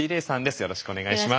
よろしくお願いします。